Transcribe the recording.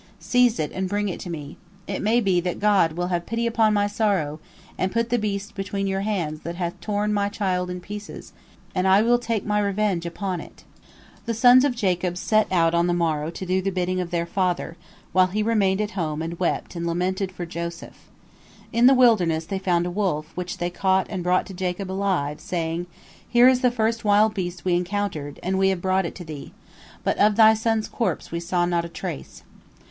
Seize it and bring it to me. It may be that God will have pity upon my sorrow, and put the beast between your hands that hath torn my child in pieces, and I will take my revenge upon it." The sons of Jacob set out on the morrow to do the bidding of their father, while he remained at home and wept and lamented for Joseph. In the wilderness they found a wolf, which they caught and brought to Jacob alive, saying: "Here is the first wild beast we encountered, and we have brought it to thee. But of thy son's corpse we saw not a trace."